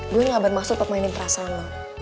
gue gak bermaksud buat mainin perasaan lo